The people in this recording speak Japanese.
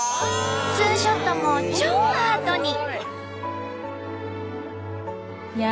ツーショットも超アートに！